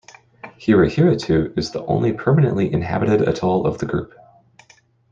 Hereheretue is the only permanently inhabited atoll of the group.